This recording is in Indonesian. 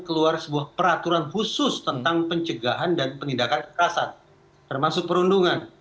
keluar sebuah peraturan khusus tentang pencegahan dan penindakan kekerasan termasuk perundungan